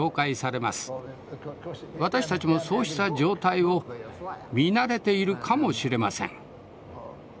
私たちもそうした状態を見慣れているかもしれません。